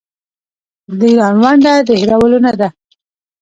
د ایران ونډه د هیرولو نه ده.